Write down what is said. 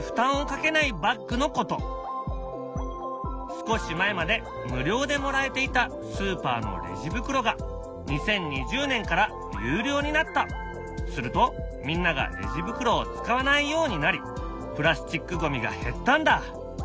少し前まで無料でもらえていたスーパーのレジ袋がするとみんながレジ袋を使わないようになりプラスチックごみが減ったんだ。